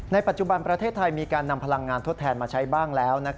ปัจจุบันประเทศไทยมีการนำพลังงานทดแทนมาใช้บ้างแล้ว